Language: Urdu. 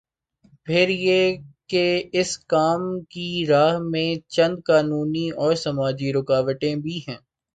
پھر یہ کہ اس کام کی راہ میں چند قانونی اور سماجی رکاوٹیں بھی ہیں۔